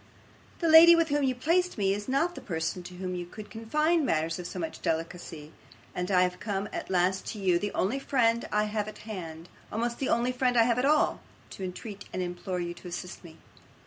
The lady with whom you placed me, is not the person to whom I could confide matters of so much delicacy, and I have come at last to you, the only friend I have at hand almost the only friend I have at all to entreat and implore you to assist me.